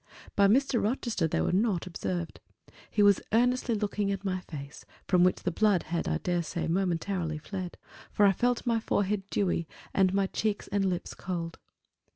By Mr. Rochester they were not observed; he was earnestly looking at my face, from which the blood had, I dare say, momentarily fled; for I felt my forehead dewy and my cheeks and lips cold.